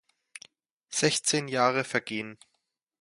Sechzehn Jahre vergehen.